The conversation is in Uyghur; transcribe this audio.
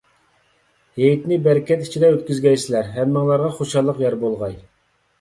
ھېيتنى بەرىكەت ئىچىدە ئۆتكۈزگەيسىلەر، ھەممىڭلارغا خۇشاللىق يار بولغاي.